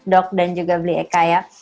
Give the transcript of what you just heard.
dok dan juga beli eka ya